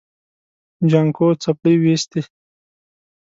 جانکو څپلۍ وېستې.